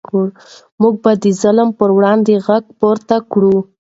موږ باید د ظلم پر وړاندې غږ پورته کړو.